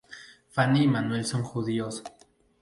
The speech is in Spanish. Fanny y Manuel son judíos.